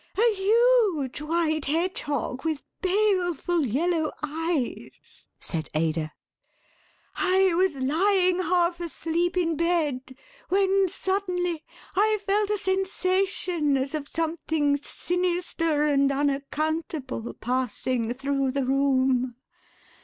"A huge white hedgehog with baleful yellow eyes," said Ada; "I was lying half asleep in bed when suddenly I felt a sensation as of something sinister and unaccountable passing through the room.